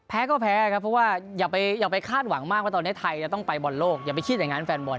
แพ้ก็แพ้ครับเพราะว่าอย่าไปคาดหวังมากว่าตอนนี้ไทยจะต้องไปบอลโลกอย่าไปคิดอย่างนั้นแฟนบอล